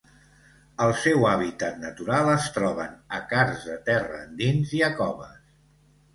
El seu hàbitat natural es troben a carsts de terra endins i a coves.